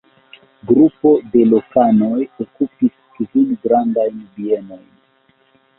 Grupo de lokanoj okupis kvin grandajn bienojn.